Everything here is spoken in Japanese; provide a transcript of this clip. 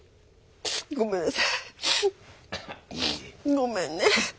ごめんね。